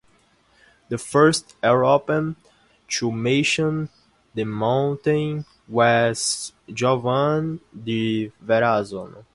The first European to mention the mountain was Giovanni da Verrazzano.